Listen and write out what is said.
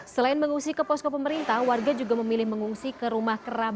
selain mengungsi ke posko pemerintah warga juga memilih mengungsi ke rumah kerabat